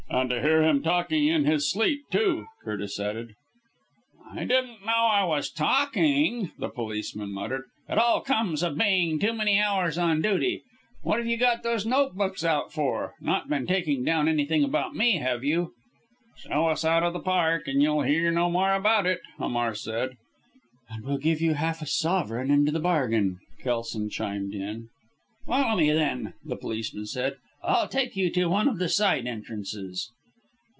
"And to hear him talking in his sleep too," Curtis added. "I didn't know I was talking," the policeman muttered. "It all comes of being too many hours on duty. What have you got those note books out for? Not been taking down anything about me, have you?" "Show us out of the Park and you'll hear no more about it," Hamar said. "And we'll give you half a sovereign into the bargain," Kelson chimed in. "Follow me then," the policeman said. "I'll take you to one of the side entrances."